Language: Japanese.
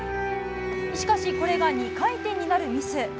しかし、これが２回転になるミス。